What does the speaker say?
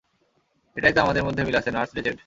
এটাই তো আমাদের মধ্যে মিল আছে, নার্স রেচেড।